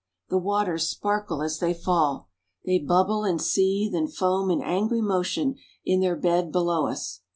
The waters sparkle as they fall. They bubble and seethe and foam in angry motion in their bed below us.